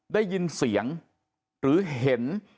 ได้ยินเสียงหรือเห็น